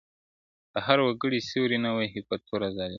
د هر وګړي سیوری نه وهي په توره ظالم-